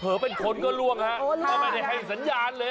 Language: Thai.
เผลอเป็นคนก็ร่วงไม่ให้สัญญาณเลย